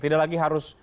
tidak lagi harus